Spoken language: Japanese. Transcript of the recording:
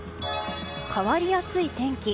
変わりやすい天気。